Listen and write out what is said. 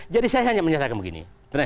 jadi saya hanya menyatakan begini